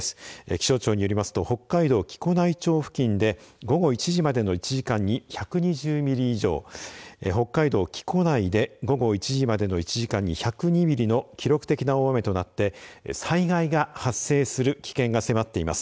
気象庁によりますと北海道木古内町付近で午後１時までの１時間に１２０ミリ以上北海道木古内で午後１時の１時間に記録的な大雨となって災害が発生する危険が迫っています。